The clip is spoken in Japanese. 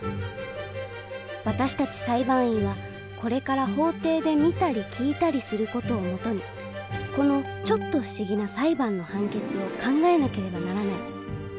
私たち裁判員はこれから法廷で見たり聞いたりする事を基にこのちょっと不思議な裁判の判決を考えなければならない。